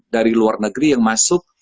dari luar negeri yang masuk